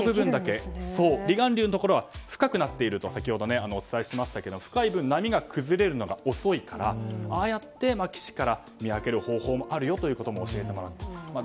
離岸流のところは深くなっていると先ほど、お伝えしましたが深い分、波が崩れるのが遅いからああやって岸から見分ける方法もあると教えてもらいました。